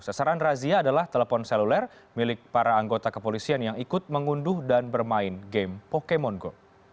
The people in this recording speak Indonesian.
sasaran razia adalah telepon seluler milik para anggota kepolisian yang ikut mengunduh dan bermain game pokemon go